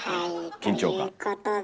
緊張感。